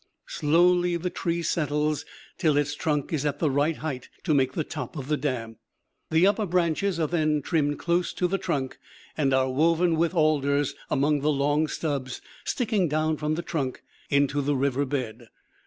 Slowly the tree settles till its trunk is at the right height to make the top of the dam. The upper branches are then trimmed close to the trunk, and are woven with alders among the long stubs sticking down from the trunk into the river bed.